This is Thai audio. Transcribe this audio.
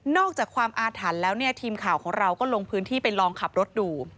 อกจากความอาถรรพ์แล้วเนี่ยทีมข่าวของเราก็ลงพื้นที่ไปลองขับรถดู